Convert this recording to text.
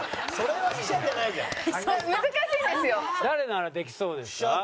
誰ならできそうですか？